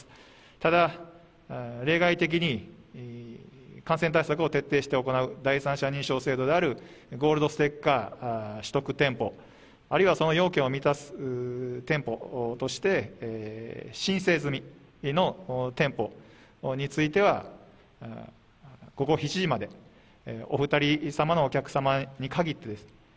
ただ例外的に感染対策を徹底して行う第三者認証制度である、ゴールドステッカー取得店舗、あるいはその要件を満たす店舗として、申請済みの店舗については、午後７時まで、お２人様のお客様に限ってです。